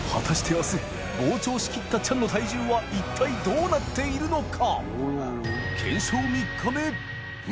あす膨張しきったチャンの体重は貘どうなっているのか？